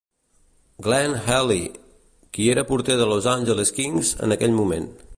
Glenn Healy, qui era porter de Los Angeles Kings en aquell moment.